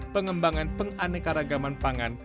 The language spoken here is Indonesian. pengembangan penganekaragaman pangan